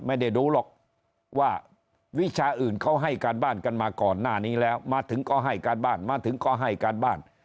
ไม่ได้ดูหรอกว่าวิชาอื่นเขาให้การบ้านกันมาก่อนหน้านี้แล้วมาถึงก็ให้การบ้านมาถึงก็ให้การบ้าน